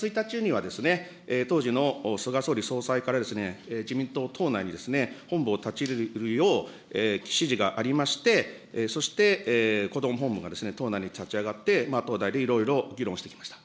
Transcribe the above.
そして４月１日には、当時の菅総理総裁から自民党党内に本部を立ち上げるよう指示がありまして、そしてこども本部が党内に立ち上がって、党内でいろいろ議論してきました。